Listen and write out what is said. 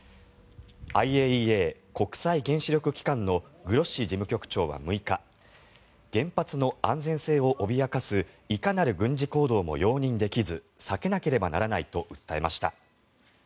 ＩＡＥＡ・国際原子力機関のグロッシ事務局長は６日原発の安全性を脅かすいかなる軍事行動も容認できず避けなければならないと訴えました。